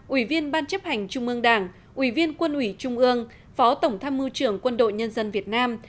ủy viên ban chấp hành trung ương đảng ủy viên quân ủy trung ương phó tổng tham mưu trưởng quân đội nhân dân việt nam